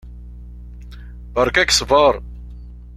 Beṛka-k ssbeṛ!